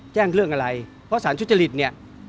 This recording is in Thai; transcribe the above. เรื่องอะไรเพราะสารทุจริตเนี่ย